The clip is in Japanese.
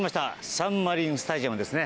サンマリンスタジアムですね。